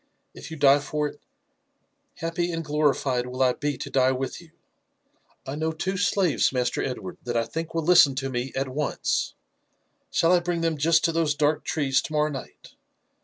If you die for it, happy and glorified will I be to die with you. I know two slaves. Master Edward, that I think will listen to me at once ; shall I bring them just to those dark trees to morrow night?"